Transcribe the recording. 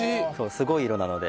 すごい色なので。